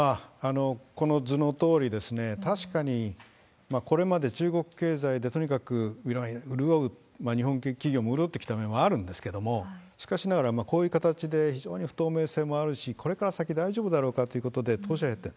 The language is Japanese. この図のとおり、確かにこれまで中国経済でとにかく潤う、日本企業も潤ってきた面もあるんですけれども、しかしながら、こういう形で非常に不透明性もあるし、これから先、大丈夫だろうかということで、投資をやって。